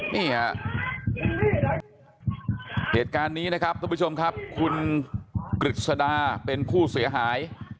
นี่ฮะเหตุการณ์นี้นะครับทุกผู้ชมครับคุณกฤษดาเป็นผู้เสียหาย